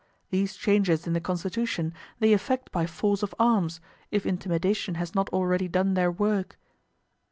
These changes in the constitution they effect by force of arms, if intimidation has not already done their work.